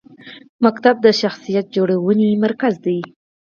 ښوونځی د شخصیت جوړونې مرکز دی.